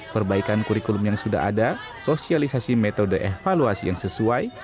perbaikan kurikulum yang sudah ada sosialisasi metode evaluasi yang sesuai